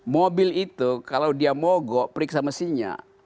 mobil itu kalau dia mogok periksa mesinnya